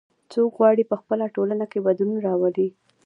څوک غواړي چې په خپله ټولنه کې بدلون راولي